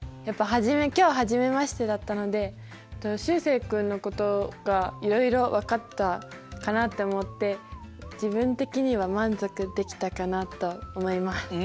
やっぱ今日初めましてだったのでしゅうせい君のことがいろいろ分かったかなって思って自分的には満足できたかなと思います。